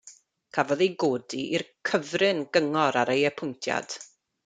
Cafodd ei godi i'r Cyfrin Gyngor ar ei apwyntiad.